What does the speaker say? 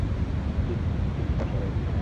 সিটকা, সরো এখান থেকে।